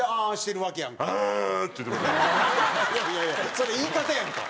それ言い方やんか。